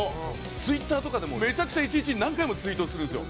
ツイッターとかでもめちゃくちゃ１日に何回もツイートをするんですよ。